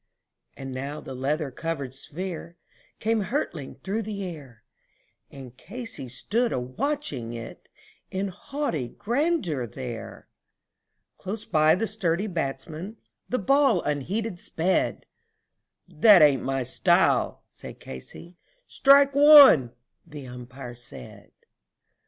And now the leather covered sphere came hurtling through the air, And Casey stood a watching it in haughty grandeur there; Close by the sturdy batsman the ball unheeded sped "That hain't my style," said Casey "Strike one," the Umpire said.